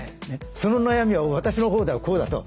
その悩みは私の方ではこうだと。